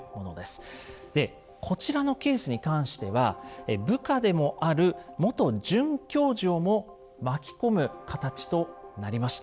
でこちらのケースに関しては部下でもある元准教授をも巻き込む形となりました。